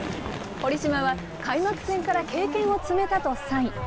堀島は開幕戦から経験を積めたと、３位。